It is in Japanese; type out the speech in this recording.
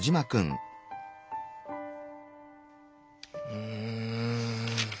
うん。